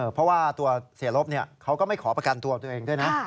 เพราะว่าตัวเสียลบเขาก็ไม่ขอประกันตัวตัวเองด้วยนะ